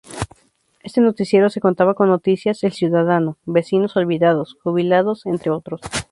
Este noticiero se contaba con noticias: El Ciudadano, Vecinos Olvidados, Jubilados, entre otros.